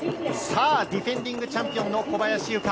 ディフェンディングチャンピオンの小林諭果。